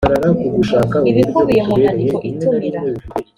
ibikubiye mu nyandiko itumira